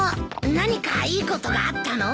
何かいいことがあったの？